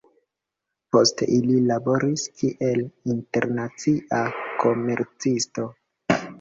Poste li laboris kiel internacia komercisto.